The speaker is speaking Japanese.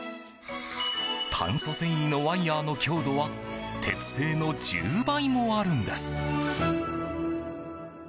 炭素繊維のワイヤの強度は鉄製の１０倍もあるんです。